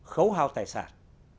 khấu hao tài sản